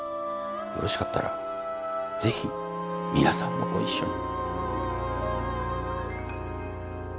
よろしかったらぜひ皆さんもご一緒に。